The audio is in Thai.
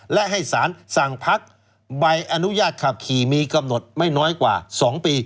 และให้สารสั่งพักใบอนุญาตขับขี่มีกำหนดไม่น้อยกว่า๒ปี